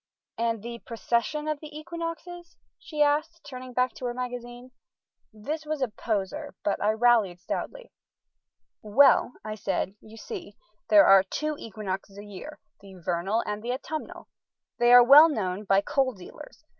"And the precession of the equinoxes?" she asked, turning back to her magazine. This was a poser, but I rallied stoutly. "Well," I said, "you see, there are two equinoxes a year, the vernal and the autumnal. They are well known by coal dealers.